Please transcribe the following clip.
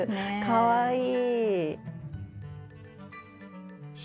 かわいい！